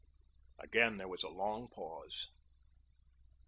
Again there was a long pause.